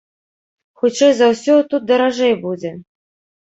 Хутчэй за ўсё, тут даражэй будзе.